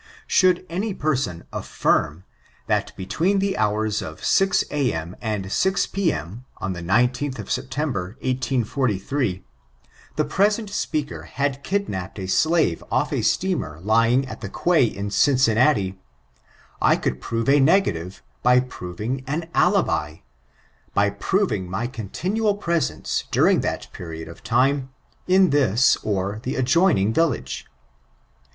Should any person affirm* that between the hours of six A.M. and six P.M. on the 19tb of September, 1843, the present speaker had kidnapped a shive off a steamer lying at the quay in Cincinnati, I could prove a negative by proving an aUM — by pix)ving my continual presence, during that period of time, in this or the adjoining village.